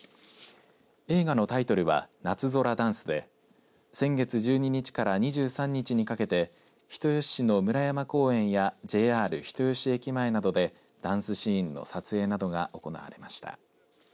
映画のタイトルは夏空ダンスで先月１２日から２３日にかけて人吉市の村山公園やＪＲ人吉駅前などでダンスシーンの撮影などが行われました。